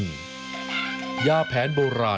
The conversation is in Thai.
สวัสดีค่ะ